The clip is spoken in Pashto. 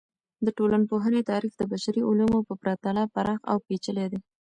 د ټولنپوهنې تعریف د بشري علومو په پرتله پراخه او پیچلي دی.